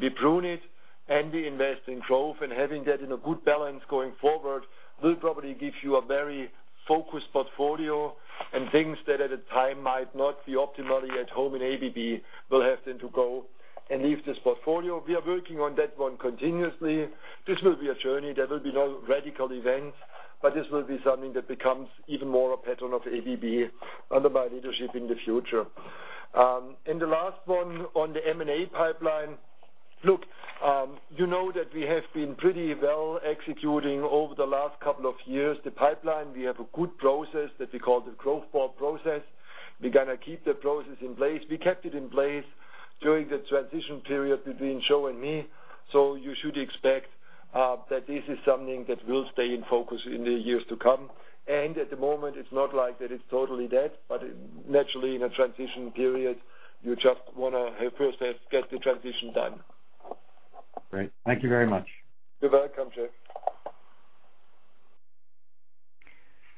we prune it, and we invest in growth. Having that in a good balance going forward will probably give you a very focused portfolio, and things that at a time might not be optimally at home in ABB will have then to go and leave this portfolio. We are working on that one continuously. This will be a journey. There will be no radical events, but this will be something that becomes even more a pattern of ABB under my leadership in the future. The last one on the M&A pipeline. Look, you know that we have been pretty well executing over the last couple of years, the pipeline. We have a good process that we call the growth board process. We're going to keep the process in place. We kept it in place during the transition period between Joe and me. You should expect that this is something that will stay in focus in the years to come. At the moment, it's not like that it's totally dead, but naturally in a transition period, you just want to first get the transition done. Great. Thank you very much. You're welcome, J.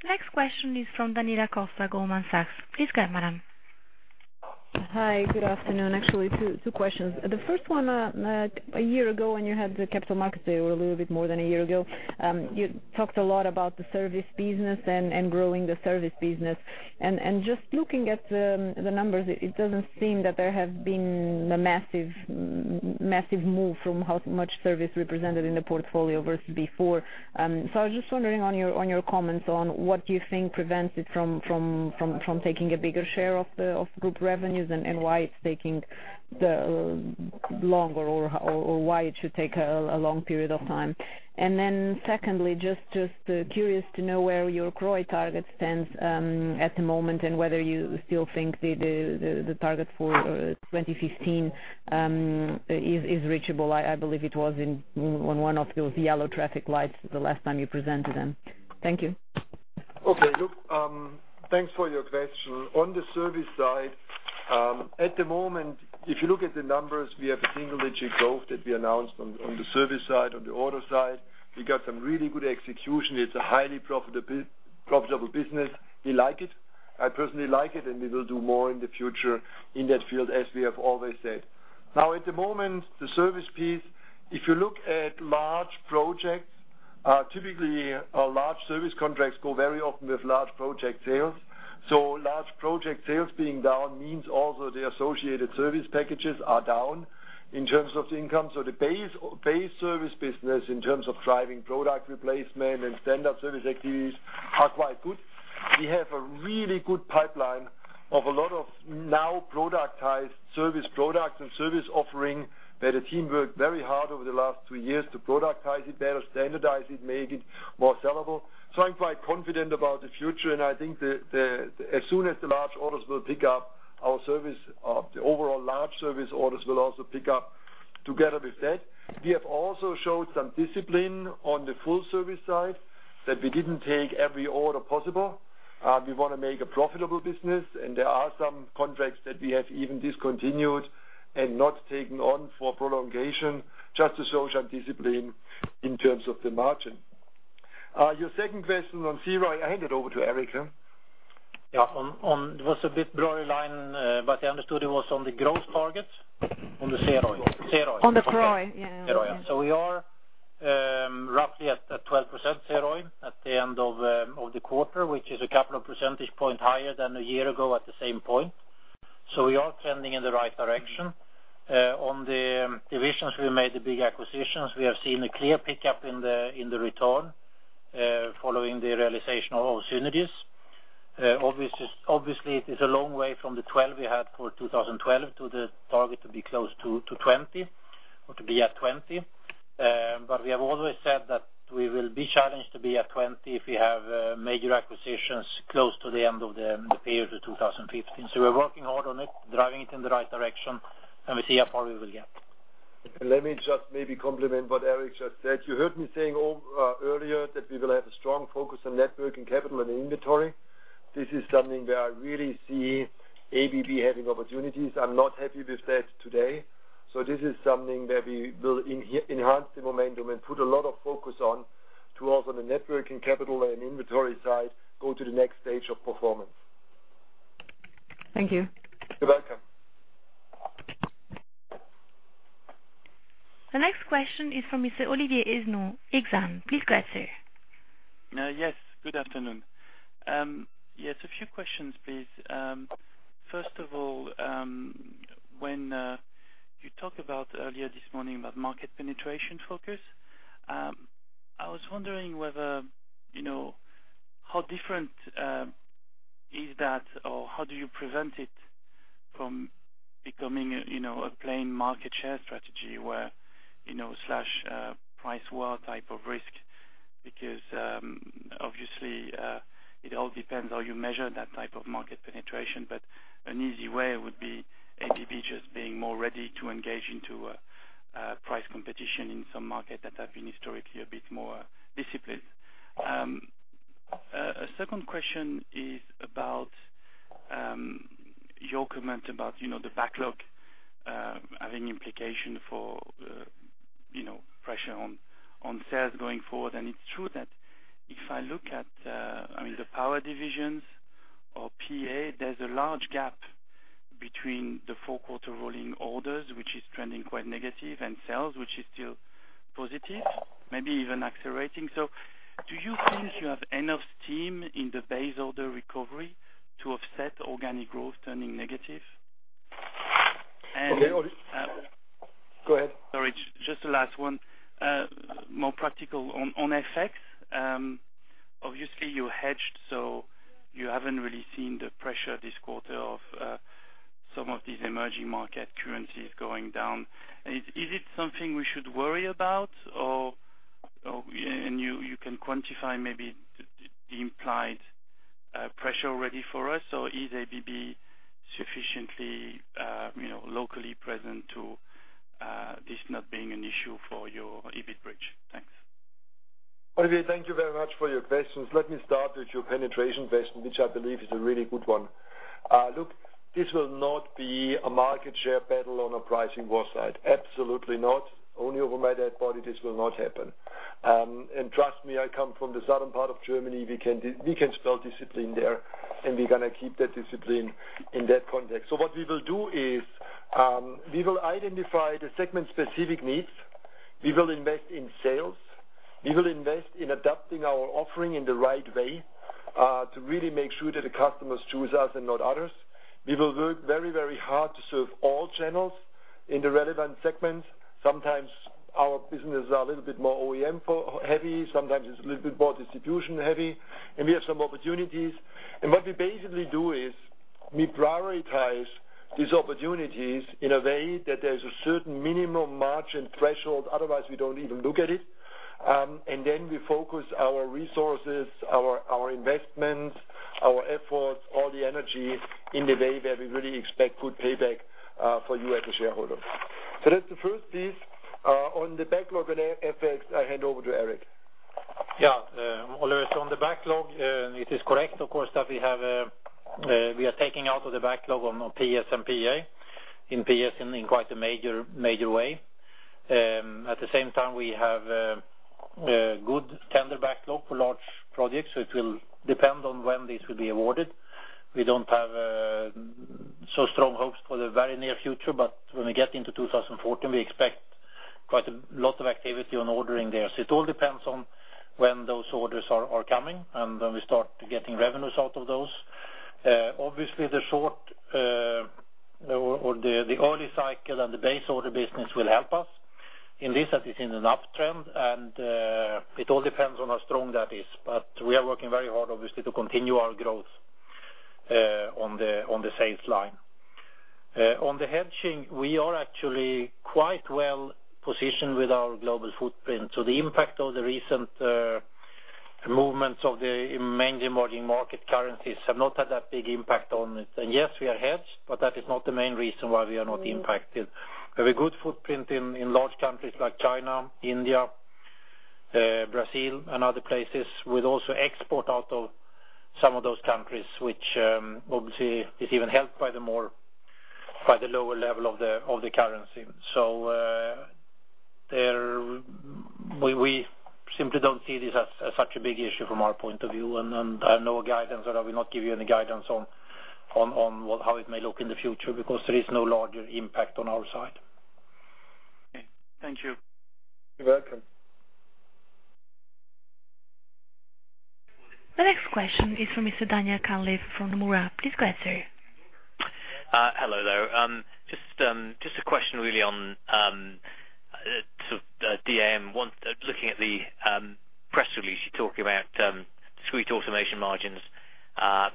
Next question is from Daniela Costa, Goldman Sachs. Please go ahead, madam. Hi. Good afternoon. Actually, two questions. The first one, a year ago when you had the Capital Markets Day, or a little bit more than a year ago, you talked a lot about the service business and growing the service business. Just looking at the numbers, it doesn't seem that there have been a massive move from how much service represented in the portfolio versus before. I was just wondering on your comments on what you think prevents it from taking a bigger share of group revenues and why it's taking longer or why it should take a long period of time. Secondly, just curious to know where your CROI target stands at the moment and whether you still think the target for 2015 is reachable. I believe it was on one of those yellow traffic lights the last time you presented them. Thank you. Okay, look. Thanks for your question. On the service side, at the moment, if you look at the numbers, we have a single-digit growth that we announced on the service side, on the order side. We got some really good execution. It's a highly profitable business. We like it. I personally like it, and we will do more in the future in that field, as we have always said. At the moment, the service piece, if you look at large projects, typically our large service contracts go very often with large project sales. Large project sales being down means also the associated service packages are down in terms of the income. The base service business in terms of driving product replacement and standard service activities are quite good. We have a really good pipeline of a lot of now productized service products and service offering that the team worked very hard over the last two years to productize it better, standardize it, make it more sellable. I'm quite confident about the future, and I think as soon as the large orders will pick up, the overall large service orders will also pick up together with that. We have also showed some discipline on the full service side that we didn't take every order possible. We want to make a profitable business, and there are some contracts that we have even discontinued and not taken on for prolongation, just to show some discipline in terms of the margin. Your second question on CROI, I hand it over to Eric. Yeah. It was a bit blurry line, but I understood it was on the growth targets on the CROI? On the CROI, yeah. CROI. We are roughly at 12% CROI at the end of the quarter, which is a couple of percentage point higher than a year ago at the same point. We are trending in the right direction. On the divisions we made the big acquisitions, we have seen a clear pickup in the return following the realization of all synergies. Obviously, it is a long way from the 12 we had for 2012 to the target to be close to 20 or to be at 20. We have always said that we will be challenged to be at 20 if we have major acquisitions close to the end of the period of 2015. We are working hard on it, driving it in the right direction, and we see how far we will get. Let me just maybe complement what Eric just said. You heard me saying earlier that we will have a strong focus on net working capital and inventory. This is something where I really see ABB having opportunities. I'm not happy with that today. This is something that we will enhance the momentum and put a lot of focus on to also the net working capital and inventory side go to the next stage of performance. Thank you. You're welcome. The next question is from Mr. Olivier Ezwann, Exane. Please go ahead, sir. Yes. Good afternoon. Yes, a few questions, please. First of all, when you talked about earlier this morning about market penetration focus, I was wondering how different is that, or how do you prevent it from becoming a plain market share strategy where slash price war type of risk? Obviously, it all depends how you measure that type of market penetration, but an easy way would be ABB just being more ready to engage into a price competition in some market that have been historically a bit more disciplined. A second question is about your comment about the backlog having implication for pressure on sales going forward. It's true that if I look at the power divisions or PA, there's a large gap between the 4-quarter rolling orders, which is trending quite negative, and sales, which is still positive, maybe even accelerating. Do you feel you have enough steam in the base order recovery to offset organic growth turning negative? Okay, Oli. Go ahead. Sorry, just the last one. More practical on FX. Obviously, you hedged, so you haven't really seen the pressure this quarter of some of these emerging market currencies going down. Is it something we should worry about? You can quantify maybe the implied pressure already for us, or is ABB sufficiently locally present to this not being an issue for your EBIT bridge? Thanks. Olivier, thank you very much for your questions. Let me start with your penetration question, which I believe is a really good one. Look, this will not be a market share battle on a pricing war side. Absolutely not. Only over my dead body this will not happen. Trust me, I come from the southern part of Germany. We can spell discipline there, and we're going to keep that discipline in that context. What we will do is, we will identify the segment-specific needs. We will invest in sales. We will invest in adapting our offering in the right way, to really make sure that the customers choose us and not others. We will work very hard to serve all channels in the relevant segments. Sometimes our businesses are a little bit more OEM heavy, sometimes it's a little bit more distribution heavy, and we have some opportunities. What we basically do is, we prioritize these opportunities in a way that there's a certain minimum margin threshold, otherwise we don't even look at it. Then we focus our resources, our investments, our efforts, all the energy in the way where we really expect good payback for you as a shareholder. That's the first piece. On the backlog and FX, I hand over to Eric. Yeah. Olivier, on the backlog, it is correct, of course, that we are taking out of the backlog on PS and PA, in PS in quite a major way. At the same time, we have a good tender backlog for large projects, so it will depend on when this will be awarded. We don't have so strong hopes for the very near future, but when we get into 2014, we expect quite a lot of activity on ordering there. It all depends on when those orders are coming, and when we start getting revenues out of those. Obviously, the short or the early cycle and the base order business will help us in this, that it's in an uptrend, and it all depends on how strong that is. We are working very hard, obviously, to continue our growth on the sales line. On the hedging, we are actually quite well-positioned with our global footprint. The impact of the recent movements of the main emerging market currencies have not had that big impact on it. Yes, we are hedged, but that is not the main reason why we are not impacted. We have a good footprint in large countries like China, India, Brazil, and other places, with also export out of some of those countries, which obviously is even helped by the lower level of the currency. We simply don't see this as such a big issue from our point of view, and I have no guidance, and I will not give you any guidance on how it may look in the future, because there is no larger impact on our side. Okay. Thank you. You're welcome. The next question is from Mr. Daniel Callister from Nomura. Please go ahead, sir. Hello there. Just a question really on sort of DM. Looking at the press release, you're talking about Discrete Automation margins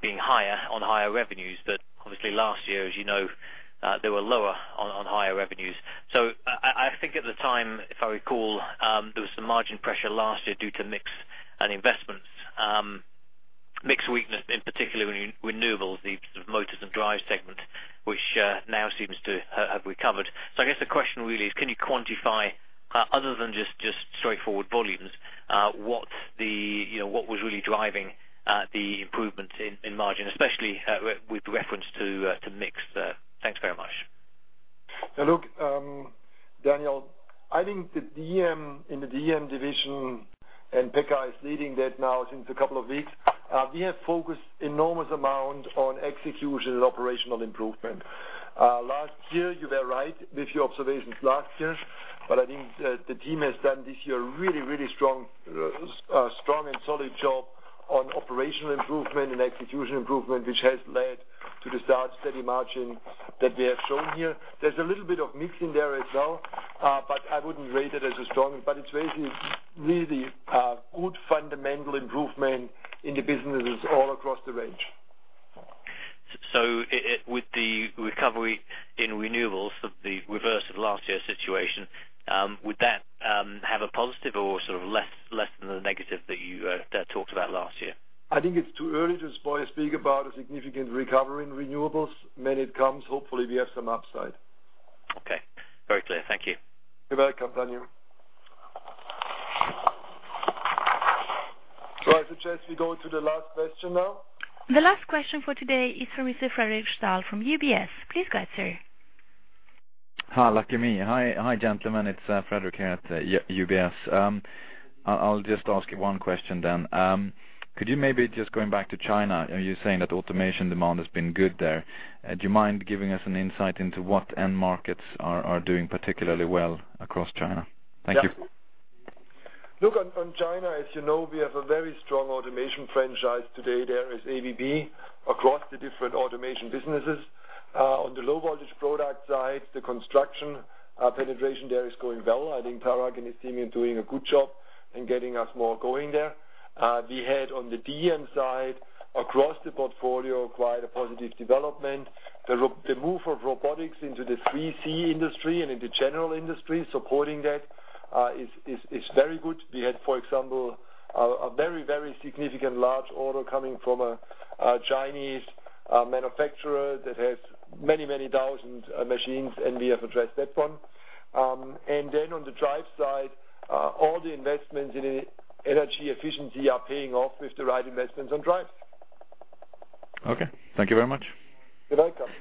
being higher on higher revenues, obviously last year, as you know, they were lower on higher revenues. I think at the time, if I recall, there was some margin pressure last year due to mix and investments. Mix weakness in particular in renewables, the motors and drive segment, which now seems to have recovered. I guess the question really is can you quantify, other than just straightforward volumes, what was really driving the improvement in margin, especially with reference to mix? Thanks very much. Look, Daniel, I think in the DM division, Pekka Tiitinen is leading that now since a couple of weeks. We have focused enormous amount on execution and operational improvement. Last year, you were right with your observations last year, I think the team has done this year really strong and solid job on operational improvement and execution improvement, which has led to the steady margin that we have shown here. There's a little bit of mix in there as well, it's really good fundamental improvement in the businesses all across the range. With the recovery in renewables, the reverse of last year's situation, would that have a positive or sort of less than the negative that you talked about last year? I think it's too early to, boy, speak about a significant recovery in renewables. When it comes, hopefully, we have some upside. Okay. Very clear. Thank you. You're welcome, Daniel. I suggest we go to the last question now. The last question for today is from Mr. Fredric Stahl from UBS. Please go ahead, sir. Hi. Lucky me. Hi, gentlemen, it's Fredric here at UBS. I'll just ask you one question then. Could you maybe just going back to China, you're saying that automation demand has been good there. Do you mind giving us an insight into what end markets are doing particularly well across China? Thank you. Look, on China, as you know, we have a very strong automation franchise today. There is ABB across the different automation businesses. On the low voltage product side, the construction penetration there is going well. I think Parag and his team are doing a good job in getting us more going there. We had on the DM side, across the portfolio, quite a positive development. The move of robotics into the 3C industry and in the general industry supporting that is very good. We had, for example, a very significant large order coming from a Chinese manufacturer that has many thousand machines, and we have addressed that one. On the drive side, all the investments in energy efficiency are paying off with the right investments on drives. Okay. Thank you very much. You're welcome.